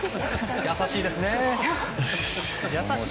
優しいですね。